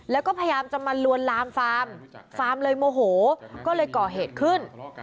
แล้วก็พยายามจะมาลวนลามฟาร์มฟาร์มเลยโมโหก็เลยก่อเหตุขึ้น